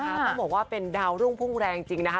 ต้องบอกว่าเป็นดาวรุ่งพุ่งแรงจริงนะคะ